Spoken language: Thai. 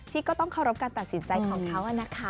ที่ก็ต้องเคารพการตัดสินใจของเค้าอ่ะนะคะ